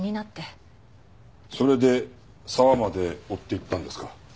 それで沢まで追っていったんですか？